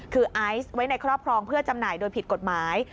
คือไอซ์ไว้ในครอบครองเพื่อจำหน่ายโดยผิดกฎหมาย